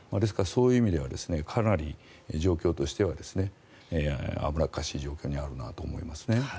そういう意味ではかなり状況としては危なっかしい状況にあるなと思いますね。